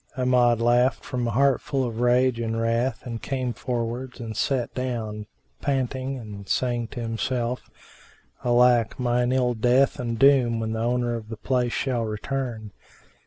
Amjad laughed from a heart full of rage and wrath and came forwards and sat down, panting and saying to himself, "Alack, mine ill death and doom when the owner of the place shall return!"